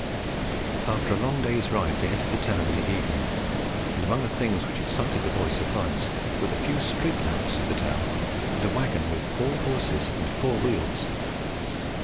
After a long day's ride, they entered the town in the evening, and amongst the things which excited the boy's surprise were the few street lamps of the town, and a waggon with four horses and four wheels.